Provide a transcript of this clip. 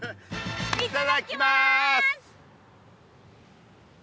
いただきます！